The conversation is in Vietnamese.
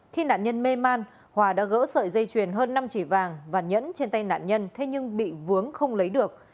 khi nạn nhân mê man hòa đã gỡ sợi dây chuyền hơn năm chỉ vàng và nhẫn trên tay nạn nhân thế nhưng bị vướng không lấy được